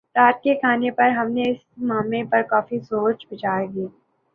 رات کے کھانے پر ہم نے اس معمے پر کافی سوچ بچار کی